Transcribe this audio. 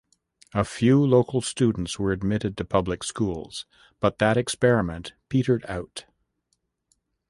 A few local students were admitted to public schools, but that experiment petered out.